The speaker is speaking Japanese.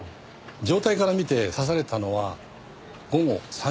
状態から見て刺されたのは午後３時頃って事だった。